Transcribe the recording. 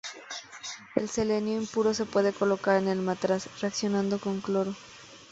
El selenio impuro se puede colocar en el matraz, reaccionando con cloro.